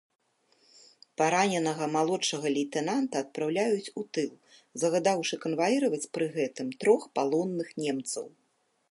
Параненага малодшага лейтэнанта адпраўляюць у тыл, загадаўшы канваіраваць пры гэтым трох палонных немцаў.